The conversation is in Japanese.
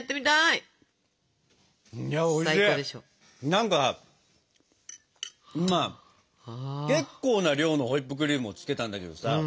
何か今結構な量のホイップクリームを付けたんだけどさ